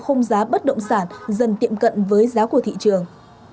khung giá bất động sản dần tiệm cận với giá của thị trường